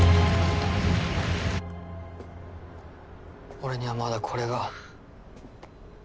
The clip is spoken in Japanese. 俺にはまだこれが。